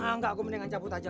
enggak aku mendingan cabut aja